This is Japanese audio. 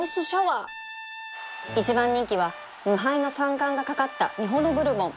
１番人気は無敗の３冠が懸かったミホノブルボン